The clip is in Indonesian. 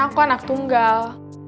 aku anak tunggal